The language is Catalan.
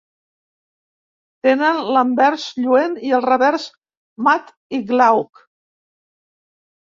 Tenen l'anvers lluent i el revers mat i glauc.